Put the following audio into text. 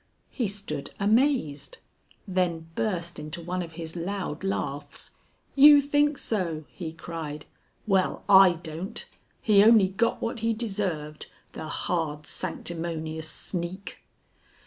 He stood amazed, then burst into one of his loud laughs. "You think so?" he cried. "Well, I don't. He only got what he deserved, the hard, sanctimonious sneak!"